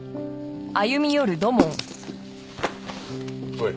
おい。